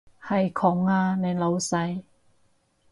係窮啊，你老闆